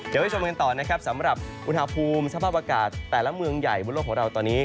เดี๋ยวไปชมกันต่อนะครับสำหรับอุณหภูมิสภาพอากาศแต่ละเมืองใหญ่บนโลกของเราตอนนี้